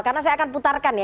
karena saya akan putarkan ya